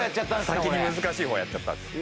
先に難しい方やっちゃったんです。